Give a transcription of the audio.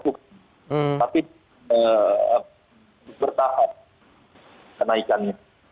tapi bertahan kenaikannya